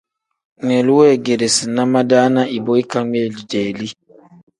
Ngmiilu weegeerina madaana ibo ikangmiili deeli.